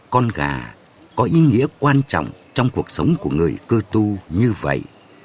con gà có ý nghĩa quan trọng trong cuộc sống của người cơ tu như vậy